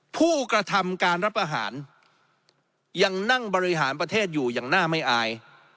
ผู้กระทำการรับอาหารยังนั่งบริหารประเทศอยู่อย่างหน้าไม่อาย